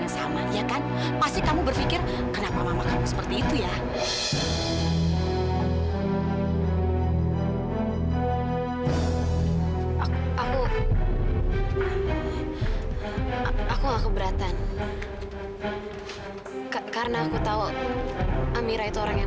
sampai jumpa di video selanjutnya